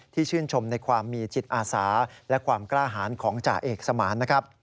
ที่ชื่นชมในความมีจิตอาสาและความกล้าหาญของจาเอกสมาน